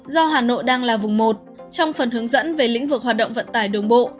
do hà nội đang là vùng một trong phần hướng dẫn về lĩnh vực hoạt động vận tải đường bộ